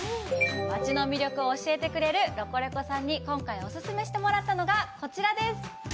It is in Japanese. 町の魅力を教えてくれるロコレコさんに今回お勧めしてもらったのが、こちらです。